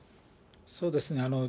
そうですね。